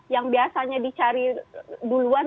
yang biasanya dicari duluan